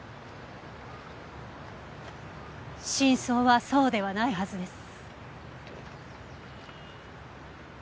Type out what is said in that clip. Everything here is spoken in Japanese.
真相はそうではないはずです。